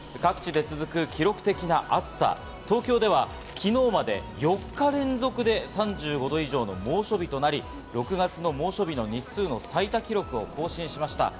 各地で続く記録的な暑さ、東京では昨日まで４日連続で３５度以上の猛暑日となり、６月の猛暑日の日数の最多記録を更新しました。